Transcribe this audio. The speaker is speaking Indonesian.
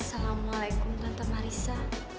assalamualaikum tante marissa